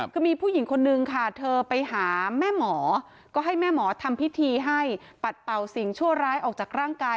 คือมีผู้หญิงคนนึงค่ะเธอไปหาแม่หมอก็ให้แม่หมอทำพิธีให้ปัดเป่าสิ่งชั่วร้ายออกจากร่างกาย